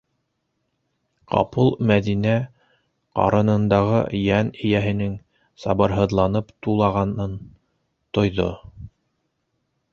Ҡапыл Мәҙинә ҡарынындағы йән эйәһенең сабырһыҙланып тулағанын тойҙо.